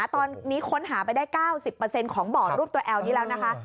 ตอนนี้ค้นหาไปได้๙๐เปอร์เซ็นต์ของบ่อรูปตัวแอวนี้แล้วนะคะ